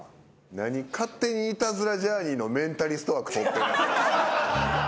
何勝手に『イタズラ×ジャーニー』のメンタリスト枠取ってんねん。